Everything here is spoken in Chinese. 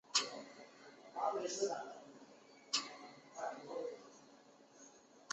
红叶藤为牛栓藤科红叶藤属的植物。